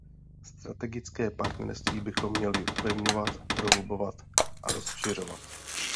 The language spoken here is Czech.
Strategické partnerství bychom měli upevňovat, prohlubovat a rozšiřovat.